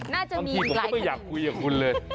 บางทีผมก็ไม่อยากคุยกับคุณเลย